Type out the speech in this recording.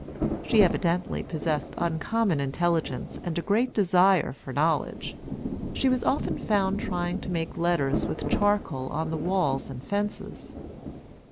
She evidently possessed uncommon intelligence and a great desire for knowledge. She was often found trying to make letters with charcoal on the walls and fences.